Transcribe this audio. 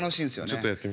ちょっとやって。